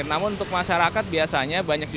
di mana tempatnya berlaku